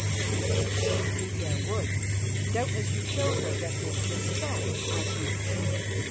"Indeed they would. Doubtless you showed her that this was so, Martina."